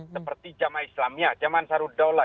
seperti jama islamnya jaman sarudola